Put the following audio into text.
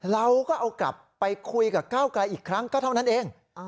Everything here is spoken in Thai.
เราก็เอากลับไปคุยกับก้าวไกลอีกครั้งก็เท่านั้นเอง